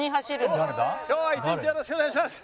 今日は一日よろしくお願いします。